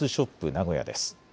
名古屋です。